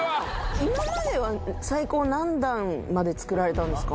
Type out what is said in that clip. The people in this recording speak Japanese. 今までは最高何段まで作られたんですか？